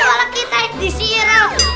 malah kita yang disiram